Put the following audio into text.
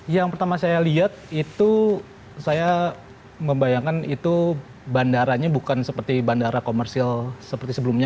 yang pertama saya lihat itu saya membayangkan itu bandaranya bukan seperti bandara komersil seperti sebelumnya